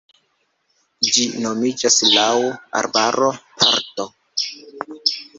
Ĝi nomiĝas laŭ arbaro-parto.